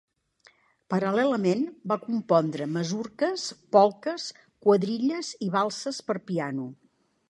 Paral·lelament, va compondre masurques, polques, quadrilles i valses per piano.